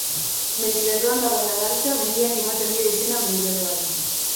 Mendilerroan dagoen Adartza mendiak ematen dio izena mendilerroari.